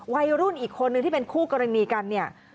วัยรุ่นอีกคนนึงที่เป็นคู่กรณีกันเนี่ย